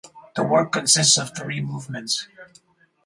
The work consists of three movements.